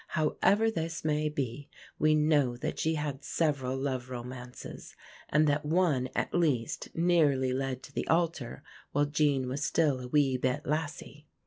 _ However this may be, we know that she had several love romances; and that one at least nearly led to the altar while Jean was still a "wee bit lassie."